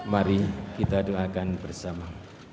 mari kita doakan bersama